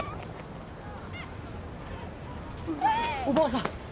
おばあさん。